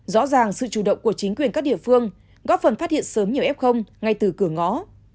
rõ ràng sự chủ động của chính quyền các địa phương góp phần phát hiện sớm nhiều f ngay từ cửa ngõ